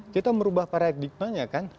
kita merubah paradigmanya kan